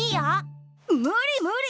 無理無理！